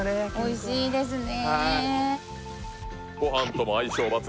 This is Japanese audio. おいしいですね